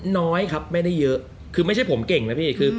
น้อยครับไม่ได้เยอะคือไม่ใช่ผมเก่งนะพี่คือ